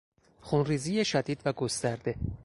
خونریزی شدید و گسترده